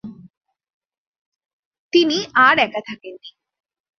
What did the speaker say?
তিনি আর একা থাকেননি।